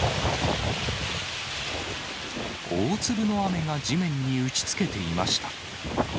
大粒の雨が地面に打ちつけていました。